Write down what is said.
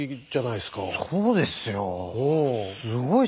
そうですよ。